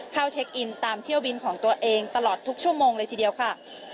เข้าเช็คอินตามเที่ยวบินของตัวเองตลอดทุกชั่วโมงเลยทีเดียวค่ะ